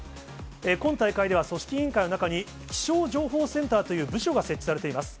今大会では、組織委員会の中に、気象情報センターという部署が設置されています。